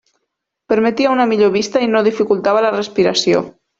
Permetia una millor vista i no dificultava la respiració.